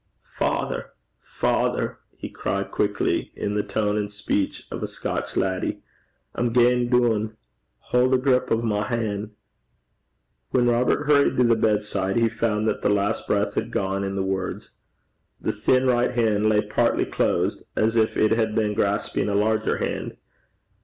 'Father, father!' he cried quickly, in the tone and speech of a Scotch laddie, 'I'm gaein' doon. Haud a grup o' my han'.' When Robert hurried to the bedside, he found that the last breath had gone in the words. The thin right hand lay partly closed, as if it had been grasping a larger hand.